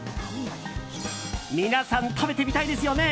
皆さん、食べてみたいですよね。